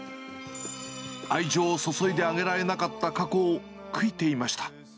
愛情を注いであげられなかった過去を悔いていました。